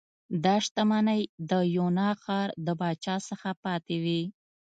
دا شتمنۍ د یونا ښار د پاچا څخه پاتې وې